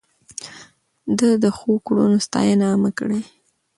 ده د ښو کړنو ستاينه عامه کړه.